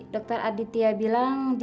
dokter aditya bilang dia kemelutut